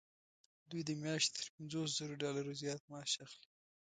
دوی د میاشتې تر پنځوس زرو ډالرو زیات معاش اخلي.